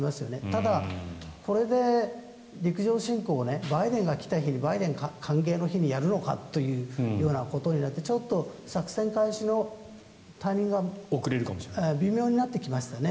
ただ、これで陸上侵攻をバイデンが来た日にバイデン歓迎の日にやるのかというようなことになってちょっと作戦開始のタイミングが微妙になってきましたね。